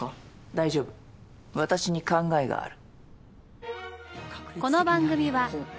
大丈夫私に考えがある。